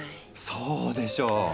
そうでしょう！